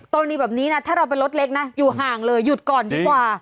กรณีแบบนี้นะถ้าเราเป็นรถเล็กนะอยู่ห่างเลยหยุดก่อนดีกว่า